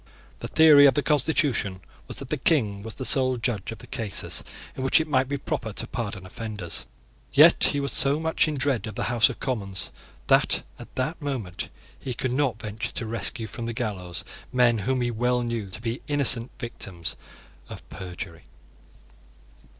The theory of the constitution was that the King was the sole judge of the cases in which it might be proper to pardon offenders. Yet he was so much in dread of the House of Commons that, at that moment, he could not venture to rescue from the gallows men whom he well knew to be the innocent victims of perjury.